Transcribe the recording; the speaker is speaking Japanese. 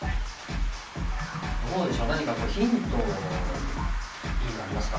どうでしょう何かヒントいいのありますか？